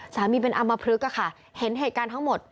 สามีเป็นอำมพลึกอะค่ะเห็นเหตุการณ์ทั้งหมด